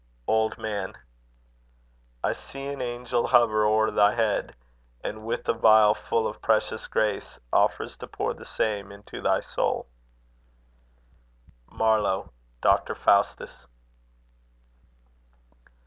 Old Man. I see an angel hover o'er thy head, And with a vial full of precious grace, Offers to pour the same into thy soul. MARLOWE. Doctor Faustus.